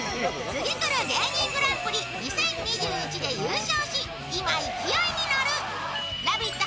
ツギクル芸人グランプリ２０２１で優勝し、今、勢いに乗る、「ラヴィット！」